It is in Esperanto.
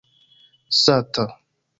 sata